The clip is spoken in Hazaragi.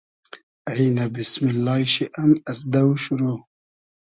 اݷنۂ بیسمیللای شی ام از دۆ شورۆ